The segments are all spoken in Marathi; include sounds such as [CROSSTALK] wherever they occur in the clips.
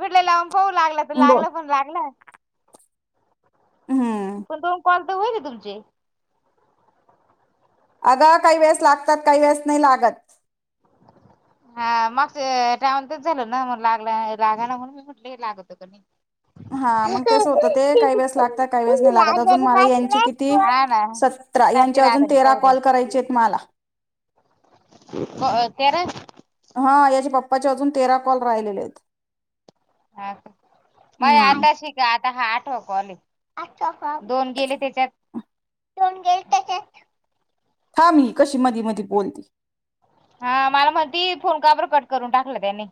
मठले लावून पाहू लागला त बोल लागला, पण लागला. हम्म पण दोन कॉल तर होईले तुमचे. अगं काही वेळेस लागतात, काही वेळेस नाही लागत. हा, मग ते टायमाय तसच झालं ना, लागला लागायला म्हणून मी म्हटलं लागतो कणी हा मग तेच होतं ते, काही वेळेस लागतात काही वेळेस नाही लागत, अजून मला यांची किती हा ना सत सतरा, सारखी यांच्या अजून रागाने तेरा पाहू कॉल करायचे आहेत मला. हो तेरा हं याच्या पप्पाचे अजून तेरा कॉल राहिलेले आहेत. हा मयै हम्म आता शिक आता हा आठवा कॉलय, दोन गेले त्याच्यात दोन गेले त्याच्यात थांम, कशी मधी मधी बोल हा मला म्हणती, फोन का बरं कट करून टाकलं त्यांनी.?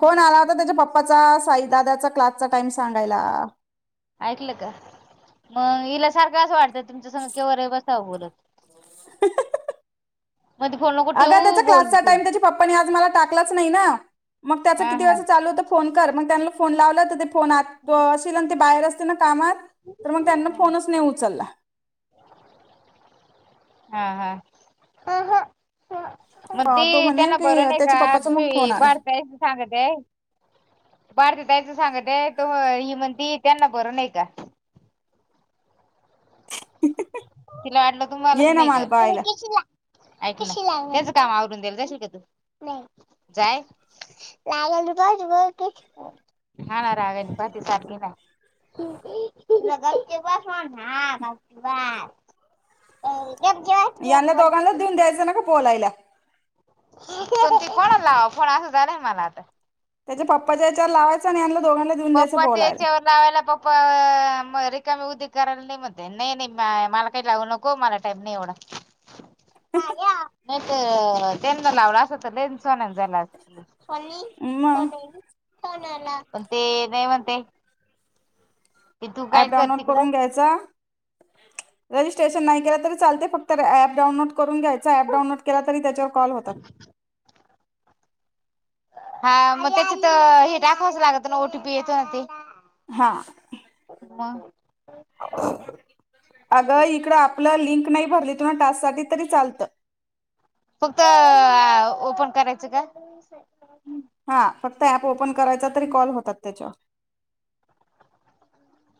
फोण आला होता त्याच्या पप्पाचा, साईदाादाचा क्लासचा टाइम सांगायला. ऐकलं का, मग हिला सारखं असं वाटतं तुमच्या सग केवे बसावं बोलत. हंहं मध्ये बोलू नको ठेवू अगं त्याच्या बोल क्लासचा तू टाईम त्या पप्पांनी आज मला टाकलाच नाही ना, मग त्याचा हा किती हा वेळच चालू होतं फोन कर, मग त्या फोन लाव फोन आ असल ना ते बाहेर असते ना कामात, तर मग त्यांना फोनच नाही उचलला. हा हा. मग अं, तो ती म्हणे त्यांना की बर नाही त्याच्या का, पप्पाचा मग फोन तुम्ही आला बारतायसनी सांगत आहे भारती ताईंच सांगत आहे तो, हि मंनती त्यांना बरं नाही का? तिला वाटलं तुम्हालाच ये ना नाही मला का. पाहायला ऐक, हेच काम आवरून दिल जाशील का तू, जाय. रागने पाहाणार ती, हा ना पाहती सालकिन तुला गपचीप बस म्हणलं, हा गपचीप बस. गपच यांना दोघांनाच देऊन द्यायचं ना गं बोलायला. पण ते कोनाला लावाव फोन असं झालंय मला आता. ह्याच्या पप्पाच्या हच्याला लावायचना हनां दोघांनला पप्पा त्याच्यावर लावायला पप्पा रिकामी उदी करायला नाही म्हणतेत. नाही नाही बाय, मला काही लावू नको, मला टाईम नाही एवढं. नाहीत त्यांना लावलं असं तर ते कोणाला झाल असत, कोणी, मग कोणी, कोणाला. ते नाही म्हणते, की तू काय करते तिकडं? त्येचा. [UNINTELLIGIBLE] रजिस्ट्रेशन नाही केलं तरी चालते, फक्त अँप डाऊनलोड करून घ्यायचा अँप डाउनलोड केला तरी त्याच्यावर कॉल होतात. हा मग त्याच्यात हे दाकवचं लागत ना ओटीपी येतो ना ते? हा. मग. अग इकड आपलं लिंक नाही भरली, त टास्क साठी तरी चालतं. फक्त ओपन करायचं काय? हा फक्त ऍप ओपन करायचा, तरी कॉल होतात त्याच्यावर.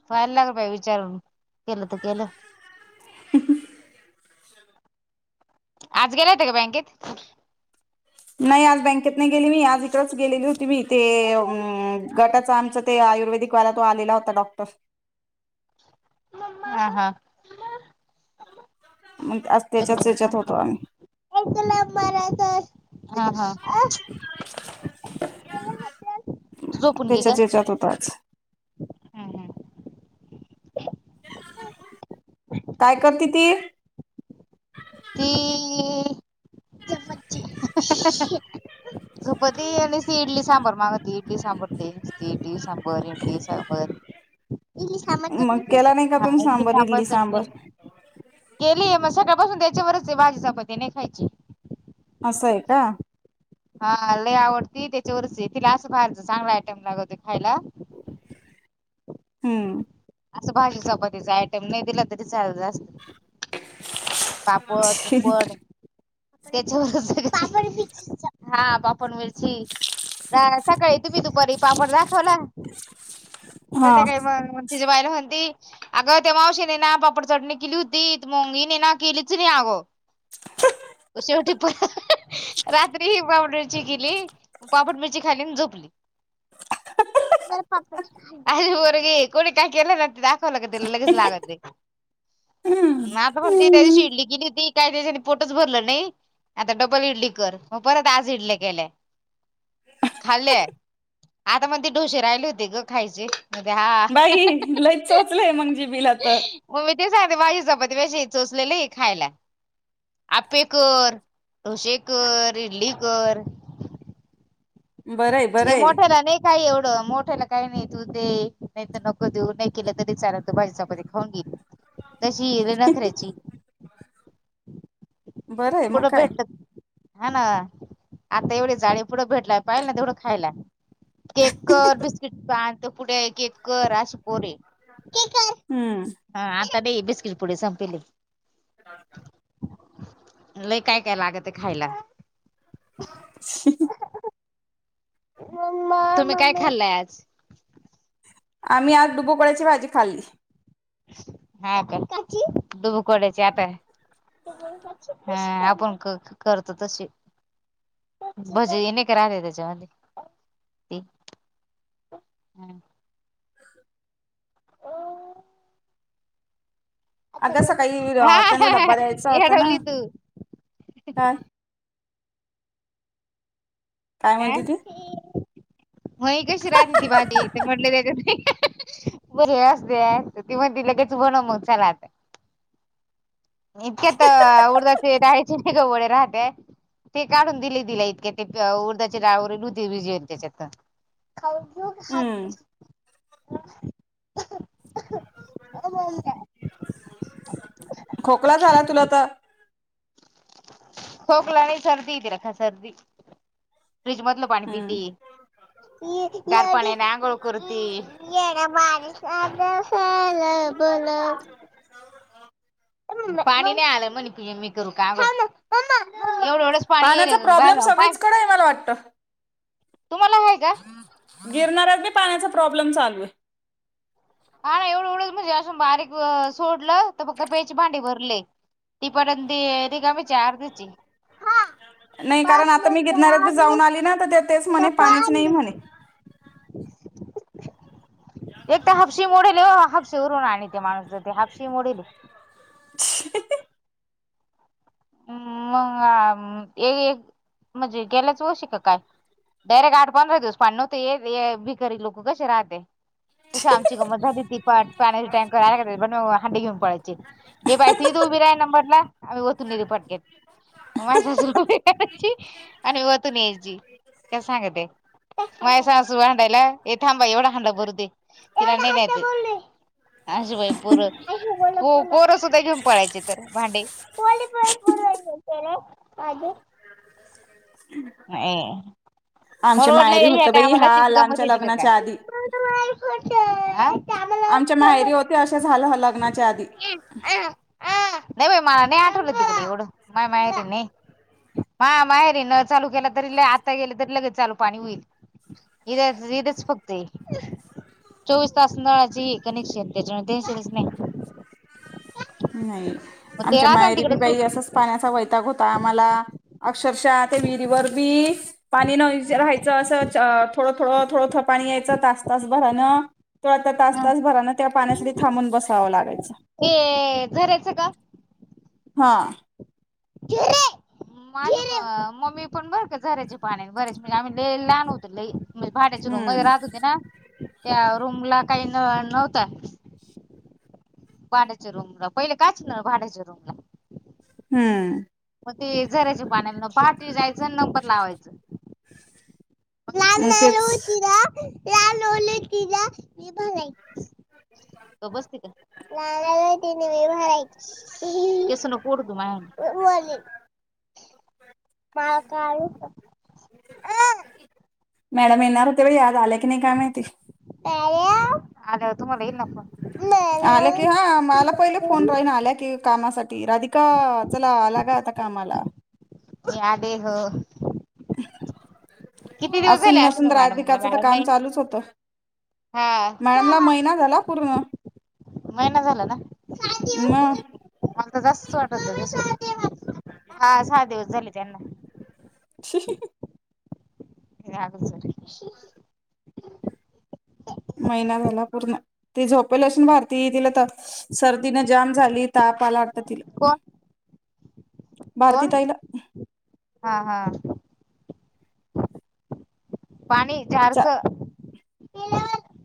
पहायला का बाई विचारून केलं तर केलं. [UNINTELLIGIBLE] आज गेल्या होत्या का बँकेत? नाही आज बँकेत नाही गेली मी, आज इकडच गेलेली होती मी ते गटाच आमच ते आयुर्वेदिक तो आलेला होता डॉक्टर. हा, हा. मग आज घरी त्येच्याच घरी त्येच्यात पण होतो करते. आम्ही. [UNINTELLIGIBLE] झोपून घे त्येच्या ग त्येच्यात होताच. काय करते ती? ती, झोपती. झोपती आणि इडली सांबर मागती, इडली सांबर दे, इडली सांबर, इडली सांबर. इडली सांभर मग चटणी, केला नाही का हा तुम्ही इडली सांबर साबर सांबर चटणी. केलीय, म सकाळपासून त्याच्यावरच हेय, भाजी चपाती नाही खायची. असं हाय का? हा लय आवडती त्याच्या वरच हेय. तिला असं बाहेरच चांगला आयटम लागवते खायला. हम्म. असं भाजी चपातीचा आयटम नाही दिला तरी चालल. [UNINTELLIGIBLE] पापड, तूपड. [UNINTELLIGIBLE] जायय सकाळी तुम्ही दुपारी पापड दाखवला, हा सध्याकाळी म तिची बायला म्हणती. अगं त्या मावशीने ना पापड चटणी केली होती, म मिनी नाही ना केलीच नाही अगं. शेवटी रात्री ही पापड- मिरची केली. पापड -मिरची खाली अन झोपली. जरा पापड खाली, अशी पोरगी. कुणी काय केल ना दाखवल का ते लगेच लागतय. आता म्हणती त्या दिवशी इडली केली होती काय त्येच्यानी पोटच भरलं नाही. आता डबल इडली कर, मग परत आज इडल्या केल्या. खाल्लेय, आता म्हणते डोसे राहिले होते ग खायचे. मध्ये हा. लई चोचलंय मंग जीबीला तर मग मी तेच सांगते माझी चपाती कशी चोचलेली खायला. अप्पे कर, हे कर, ते कर इडली कर. बरंय ते बरंय मोठ्या ना नाही. काय एवढं मोठायला काही नाही, तू दे नाही त नको देऊ, नाही केलं तरी चालत भाजी चपाती हो की. तशी ही लई नखऱ्याची, बरं आहे मग पुुढं काय भेटल हा ना आता एवढे चाळे, पुढं भेटल्यावर पाहेल ना तेवढं खायला. केक कर बिस्किट चा आणतो पुडे, केक कर अशी पोर हे. हूं! हा आता नंई हे बिस्किट पुडे संपेल हे. [INAUDIBLE] लई काय काय लागतं खायला. [INAUDIBLE] तुम्ही काय खाल्लय आज? आम्ही आज डुबुकवड्याची भाजी खाल्ली. हा का दुबुकवड्या ची आता. हा आपण कर-करतो तशी. भजे नही का राहत्यां त्याच्यामध्ये ते. ह! [INAUDIBLE] आगं सकाळी त्यांना हा डब्बा द्यायचा होता ना येडवली तू काय. काय म्हणते ती व्हय कशी राहती ती भाजी ते म्हटलं त्याच्यातं बरी आसते आसते, ती म्हणती लगेच बनव म चाल आता. इतक्यात उडदाचे डाळीचे नाही का वडे राहत्यां. ते काढून दिले दिले इतके ते पि ऊ उडदाची डाळ उरेल होती भिजेल त्याच्या तं. हम्म [INAUDIBLE] [UNINTELLIGIBLE] खोकला झाला तुला त. खोकला नही सर्दी तीला सर्दी फ्रिज मधल पाणी हम्म पीती. गार पाण्याने अंघोळ करती. [UNINTELLIGIBLE] पाणी नही आलं म्हने पिये मी करु का आंघुळ. [UNINTELLIGIBLE] एवढं एवढंच पाणी येल पाण्याचा हे बाहेर प्रॉब्लेम जाऊन पाय, सगळीचकडे आहे मला वाटतं तुम्हाला हवंय का? गिरणाऱ्यात बी पाण्याचा प्रॉब्लेम चालूये. हा ना एवढं एवढच म्हणजे असून बारीक सोडलं त फक्त प्यायचे भांडे भरले. टीपरण ते रिकामीच ये अर्धेच ये. नाही कारण आता मी गिरनाऱ्यात बी जाऊन आली ना, त ते तेच म्हणे पाणीच नही म्हणे. [INAUDIBLE] एक त हाफशी मोडेलये ओ, हाफशी वरून आणीते माणूस तं ते हाफशी मोडेलहे. [INAUDIBLE] मंग हा मं एक म्हणजे गेल्याच वशी का काय? डायरेक्ट आठ पंधरा दिवस पाणी नव्हते येयल, ये भिकारी लोक कसे राहत्यां. तशी आमची गंमत झाली ती पा-पाण्याचे टँकर आले का ते पण हांडे घेऊन पळायचे. ये बाय तु इथं उभी राह नंबरला आम्ही वतूनयेती पटक्यात. माह्यासासूला उभी करायची आणि मी वतून यायची ते सांगते. माही सासू भांडायला ये थांब बाई एवढा हांडा भरू दे तिला नहीे नेता येत. अशे बाई पोर पो-पोरं सुद्धा घेऊन पळायचे तर भांडे. चलो आगे अ आमच्या म्हणुन मटलं माहेरी ह्या होतं बाई टायमाला हा तीच गमत आमच्या येते का लग्नाच्या आधी काय आ आमच्या माहेरी होते अशा, झालं लग्नाच्या आधी. [INAUDIBLE] नाही बाई मला नाही आठवीं एवढं माया माहेरी नळ चालू केला तरी आता गेले तरी लगेच चालू पाणी हुईल. इथ इतच पक्त नहीं. चोवीस तास नळाची कनेक्शन, त्याच्यामुळे टेंशनच नही. नाही, मग ते आमच्या राहता ना माहेरी बी तिकडं बाई चूक असंच पाण्याचा वैताग होता आम्हाला. अक्षरशः ते विहिरीवर बी पाणी न राहायचं, असं थोडं थोडं थोडं थोडं पाणी यायचं तास तास भरानं. तवा आता तास तास भराना त्या पाण्यासाठी थांबून बसावं लागायचं. ये झर्याचं का? हां. झरं माझ मम्मी पण बर का झरायचे पाणी भरायची, म्हणजे आम्ही लयी लहान होत त्याएळी. म्हणजे भाड्या च्या रुम मधे हम्म राहत होते ना, त्या रूम ला काही नळ नव्हता. भाड्याच्या रूम ला, पहिले कायचे नळ भाड्याच्या रूम ला. हम्म मग ते झराची पाण्याला न, पहाटे जायचं नंबर लावायचं. लाल मग लाल तेच हो कि लाल ले कि मी पस्लाती [INAUDIBLE] केसं नको वडू तु माया बा काळ मॅडम येणार होत्या बाई, आज आल्या की नाही काय माहिती? आल्यावर तुम्हाला ईल ना फोन. मी आल्या की, हां, मला पहिले फोन राहीन आल्या की कामासाठी राधिका चला लागा आता कामाला. मी आले हं. दिवस झाले असून असेल नसून तर मॅडम म्हणलं राधिकाचं तर मॅडम काम नाही चालूच होतं. हा मॅडमला महिना झाला हं पूर्ण महिना झाला ना मग मला तर जास्तच वाटत होता, हा सहा दिवस झाले त्यांना. हहहह मॅडम सुर्यवंशी. महिना झाला पूर्ण, ते झोपेल असून भारती तिला तर सर्दीनं जाम झाली, ताप आलं वाटतं तिला कोण भारती कोण? ताईला हा हा, पाणी. चा जारच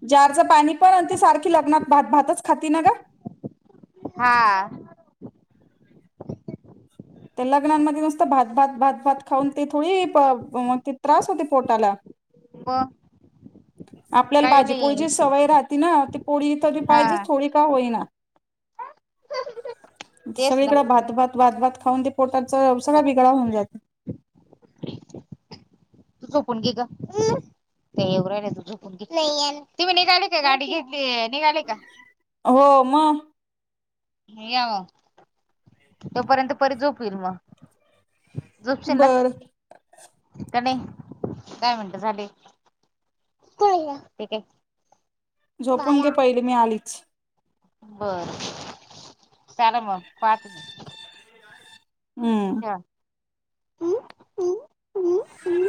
जारचं पाणी पण, आणि ती सारखी लग्नात भात भातच खाती ना गं. हां. ते लग्नांमध्ये नुसतं भात भात भात भात खाऊन ते थोडी, मग ते त्रास होते पोटाला. प आपल्याला भाजीपोळी ची सवय राहते ना, ती पोळी तरी पाहिजेच हा थोडी का होईना - तेच ना सगळीकडे तू भात, भात भात, भात खाऊन ते पोटाच सगळा बिगडा होऊन जातो. [INAUDIBLE] तु झोपून घे ग ते येवु राहीले तु झोपून घे नाई येनार. तुम्ही निघाले का? गाडी घेतली निघाले का? [INAUDIBLE] हो मग या मग [INAUDIBLE] तोपर्यंत परी झोपील मग. झोपशील ना बर [INAUDIBLE] का नाही? दहा मिनट झाले. ते या ते काय? झोपून घे पहिले मी आलीच. बर [INAUDIBLE] चाला मग पहा तुम्ही. हम्म हम्म हम्म हम्म हम्म